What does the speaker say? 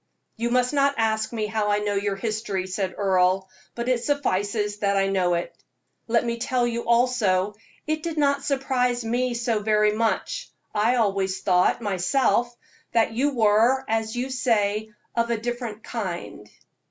"You must not ask me how I know your history," said Earle, "but it suffices that I know it. Let me tell you also, it did not surprise me so very much. I always thought, myself, that you were, as you say, 'of a different kind.'"